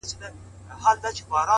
• پابندۍ دي لګېدلي د ګودر پر دیدنونو ,